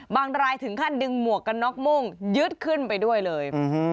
รายถึงขั้นดึงหมวกกันน็อกมุ่งยึดขึ้นไปด้วยเลย